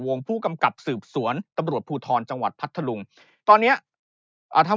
ผู้กำกับสืบสวนตำรวจภูทรจังหวัดพัทธลุงตอนเนี้ยอ่าทำ